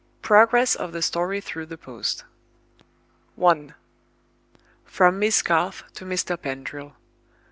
PROGRESS OF THE STORY THROUGH THE POST. I. From Miss Garth to Mr. Pendril.